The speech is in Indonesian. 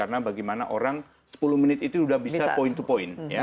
karena bagaimana orang sepuluh menit itu sudah bisa point to point